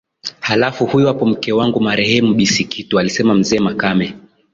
Halafu huyo hapo mke wangu marehemu bi Sikitu alisema mzee makame